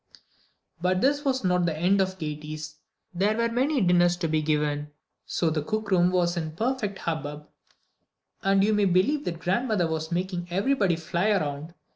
But this was not the end of the gaieties. There were many dinners to be given. So the cook room was in a perfect hubbub, and you may believe that the grandmother was making everybody fly around.